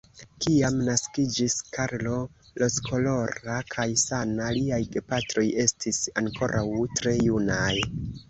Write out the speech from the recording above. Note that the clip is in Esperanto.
Kiam naskiĝis Karlo, rozkolora kaj sana, liaj gepatroj estis ankoraŭ tre junaj.